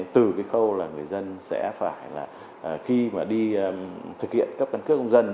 từ cái khâu là người dân sẽ phải là khi mà đi thực hiện cấp căn cước công dân